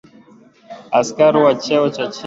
Askari wa cheo cha chini Bwana Hezekiah Ochuka